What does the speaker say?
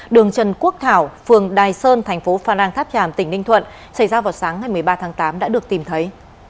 đường trần quốc thảo phường đài sơn thành phố phan rang tháp tràm tỉnh ninh thuận xảy ra vào sáng ngày một mươi ba tháng tám đã được tìm thấy